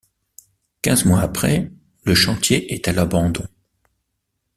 Quinze mois après le chantier est à l'abandon.